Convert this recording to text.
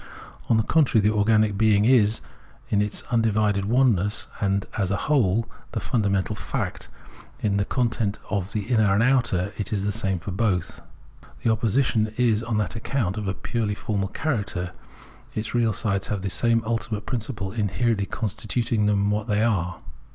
On the contrary, the organic being is, in undivided oneness and as a whole, the fundamental fact, it is the content of inner and outer, and is the same for both. The opposition is on that account of a purely formal character; its real sides have the same ultimate principle inherently constituting them what they are.